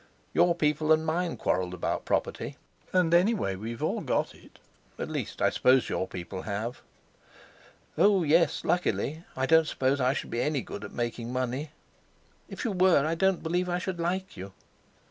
Your people and mine quarrelled about property. And anyway we've all got it—at least, I suppose your people have." "Oh! yes, luckily; I don't suppose I shall be any good at making money." "If you were, I don't believe I should like you."